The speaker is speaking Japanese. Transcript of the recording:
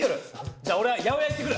じゃあおれは八百屋行ってくる！